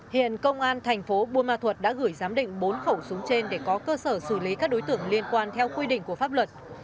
hiện công an thành phố buôn ma thuật đã gửi giám định bốn khẩu súng trên để có cơ sở xử lý các đối tượng liên quan theo quy định của pháp luật